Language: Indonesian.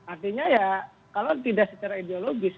artinya ya kalau tidak secara ideologis